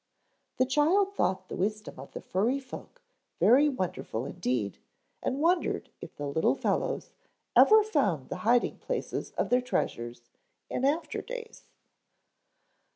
The child thought the wisdom of the furry folk very wonderful indeed and wondered if the little fellows ever found the hiding places of their treasures in after days.